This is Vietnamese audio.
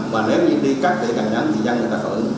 và nếu như đi cắt tỉa cành nhắn thì dăng người ta phở